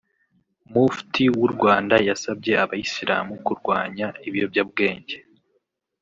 Mufti w’u Rwanda yasabye abayisilamu kurwanya ibiyobyabwenge